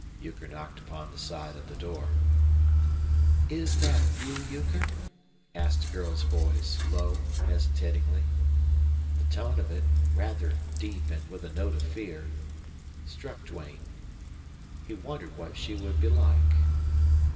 Euchre knocked upon the side of the door. "Is that you, Euchre?" asked a girl's voice, low, hesitatingly. The tone of it, rather deep and with a note of fear, struck Duane. He wondered what she would be like.